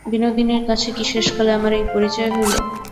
বিনোদিনীর কাছে কি শেষকালে আমার এই পরিচয় হইল।